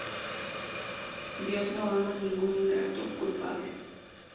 Dios no ama a ningún ingrato culpable.